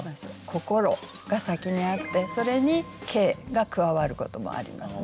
「心」が先にあってそれに「景」が加わることもありますね。